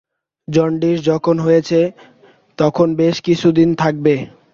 Jaundice যখন হয়েছে, তখন বেশ কিছু দিন থাকবে।